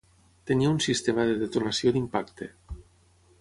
Tenia un sistema de detonació d'impacte.